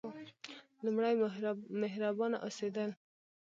لومړی: مهربانه اوسیدل.